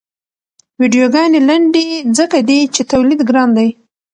ویډیوګانې لنډې ځکه دي چې تولید ګران دی.